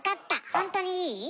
本当にいい？